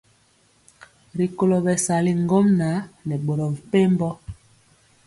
Rikolo bɛsali ŋgomnaŋ nɛ boro mepempɔ.